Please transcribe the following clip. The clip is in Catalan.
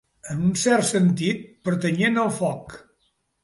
En un cert sentit, pertanyent al foc.